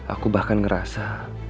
aku bahkan ngerasa